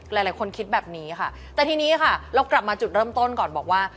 หลายคนคิดแบบนี้ค่ะแต่ทีนี้ค่ะเรากลับมาจุดเริ่มต้นก่อนบอกว่า